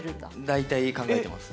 大体考えてます。